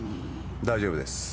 大丈夫です。